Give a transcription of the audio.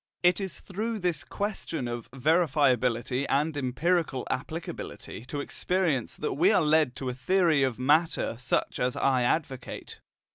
It is through this question of verifiability and empirical applicability to experience that we are led to a theory of matter such as I advocate.